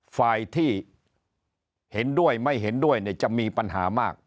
ฝ่ายที่เห็นด้วยไม่เห็นด้วยจะมีปัญหามาก